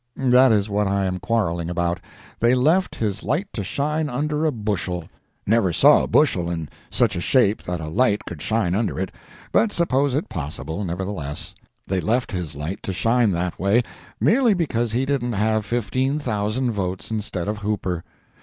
That is what I am quarrelling about. They left his light to shine under a bushel—never saw a bushel in such a shape that a light could shine under it, but suppose it possible, nevertheless—they left his light to shine that way, merely because he didn't have 15,000 votes instead of Hooper.